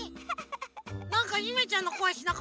なんかゆめちゃんのこえしなかった？